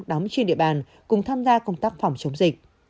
đóng trên địa bàn cùng tham gia công tác phòng chống dịch